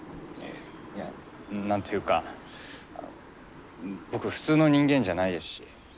いや何というか僕普通の人間じゃないですし。